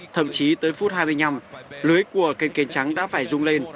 thậm chí tới phút hai mươi năm lưới của kênh kèn trắng đã phải rung lên